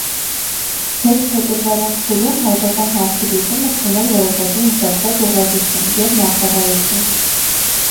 Հետփետրվարյան փուլում հայկական հարցի լուծումը չուներ որոշակի մշակված ուղղվածություն և մարտավարություն։